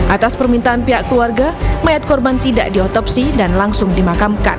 atas permintaan pihak keluarga mayat korban tidak diotopsi dan langsung dimakamkan